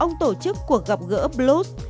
ông tổ chức cuộc gặp gỡ bluth